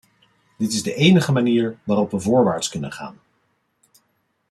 Dat is de enige manier waarop we voorwaarts kunnen gaan.